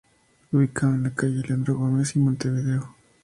Ubicado en calle Leandro Gómez y Montevideo.